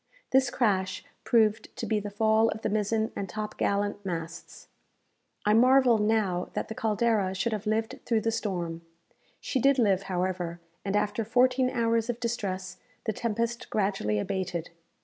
This crash proved to be the fall of the mizen and top gallant masts. I marvel now that the "Caldera" should have lived through the storm. She did live, however, and after fourteen hours of distress, the tempest gradually abated.